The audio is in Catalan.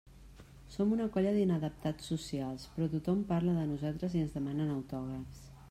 Som una colla d'inadaptats socials, però tothom parla de nosaltres i ens demanen autògrafs.